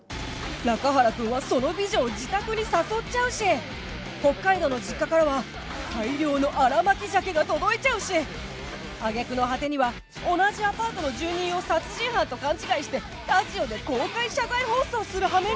中原くんはその美女を自宅に誘っちゃうし北海道の実家からは大量の新巻鮭が届いちゃうし揚げ句の果てには同じアパートの住人を殺人犯と勘違いしてラジオで公開謝罪放送する羽目に